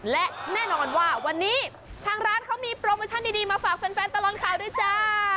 และแน่นอนว่าวันนี้ทางร้านเขามีโปรโมชั่นดีมาฝากแฟนตลอดข่าวด้วยจ้า